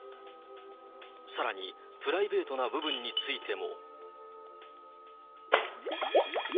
さらに、プライベートな部分についても。